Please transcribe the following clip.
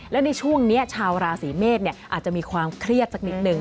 แล้วในช่วงนี้ชาวราศีเมษอาจจะมีความเครียดสักนิดนึง